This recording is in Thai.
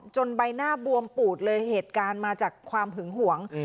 ใบหน้าบวมปูดเลยเหตุการณ์มาจากความหึงหวง